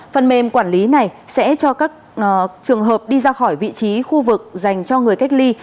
phần mềm quản lý này sẽ cho các trường hợp đi ra khỏi vị trí khu vực dành cho người cách ly